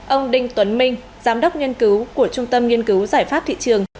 ông đinh tuấn minh giám đốc nghiên cứu của trung tâm nghiên cứu giải pháp thị trường